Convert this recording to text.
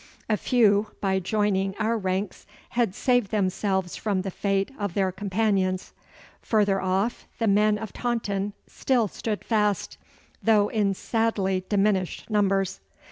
A few by joining our ranks had saved themselves from the fate of their companions. Further off the men of Taunton still stood fast, though in sadly diminished numbers.